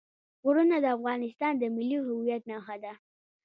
غرونه د افغانستان د ملي هویت نښه ده.